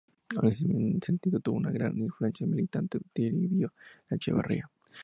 En ese sentido tuvo una gran influencia el militante Toribio Echevarría.